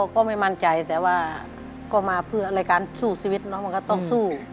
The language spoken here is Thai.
ก็ไม่มั่นใจแต่ว่าก็มาเพื่อรายการสู้ชีวิตเนอะมันก็ต้องสู้